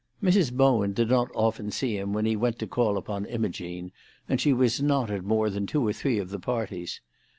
Mrs. Bowen did not often see him when he went to call upon Imogene, and she was not at more than two or three of the parties.